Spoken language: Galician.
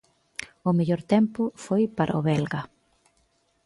O mellor tempo foi para o belga.